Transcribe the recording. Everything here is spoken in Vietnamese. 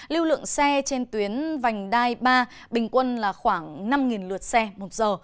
lưu lượng xe trên tuyến vành đai ba bình quân là khoảng năm lượt xe một giờ